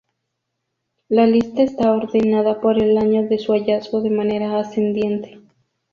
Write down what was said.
La lista está ordenada por el año de su hallazgo de manera ascendente.